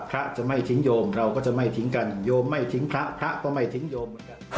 พระจะไม่ทิ้งโยมเราก็จะไม่ทิ้งกันโยมไม่ทิ้งพระพระก็ไม่ทิ้งโยมเหมือนกัน